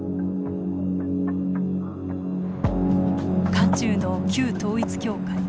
渦中の旧統一教会。